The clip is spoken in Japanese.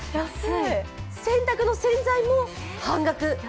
洗濯の洗剤も半額。